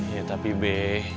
ya tapi be